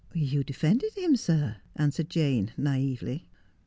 ' You defended him, sir,' answered Jane naively.